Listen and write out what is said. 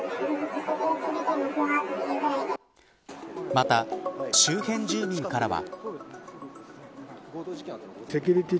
また、周辺住民からは。